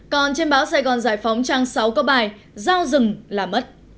còn trên báo sài gòn giải phóng trang sáu có bài giao rừng là mất